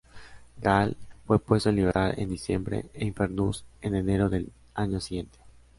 Gaahl fue puesto en libertad en diciembre e Infernus en enero del año siguiente.